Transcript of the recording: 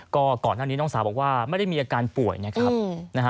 ก็ก่อนหน้านี้น้องสาวบอกว่าไม่ได้มีอาการป่วยนะครับนะฮะ